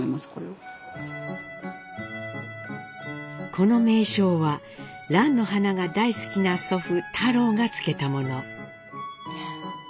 この名称は蘭の花が大好きな祖父太郎が付けたもの。